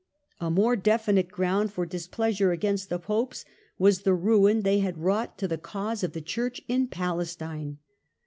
A more definite ground for displeasure against the Popes was the ruin they had wrought to the cause of the Church in Palestine.